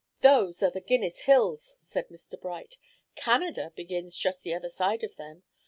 "Those are the Guinness Hills," said Mr. Bright. "Canada begins just the other side of them.